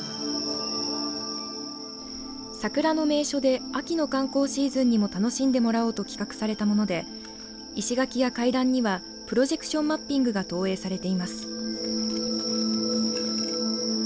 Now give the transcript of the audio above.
桜の名所で秋の観光シーズンにも楽しんでもらおうと企画されたもので石垣や階段にはプロジェクションマッピングが投影されています。